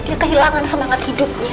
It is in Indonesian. dia kehilangan semangat hidupnya